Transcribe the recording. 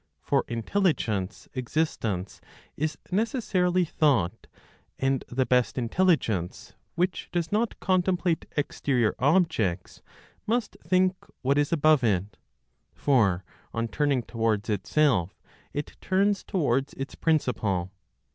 For intelligence existence is necessarily thought and the best intelligence which does not contemplate exterior objects, must think what is above it; for, on turning towards itself, it turns towards its principle.